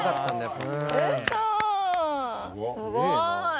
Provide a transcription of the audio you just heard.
すごーい。